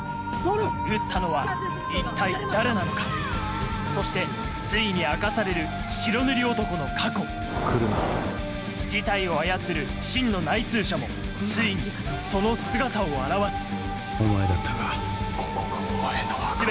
撃ったのは一体誰なのかそしてついに明かされる白塗り男の過去事態を操る真の内通者もついにその姿を現す全ては８話を見逃すな！